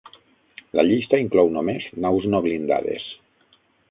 La llista inclou només naus no blindades.